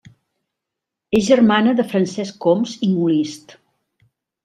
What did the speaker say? És germana de Francesc Homs i Molist.